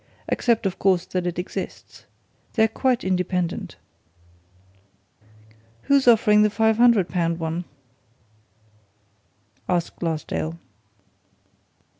"Except, of course, that it exists. They're quite independent." "Who's offering the five hundred pound one?" asked Glassdale.